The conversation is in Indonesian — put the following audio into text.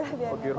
oh di rumah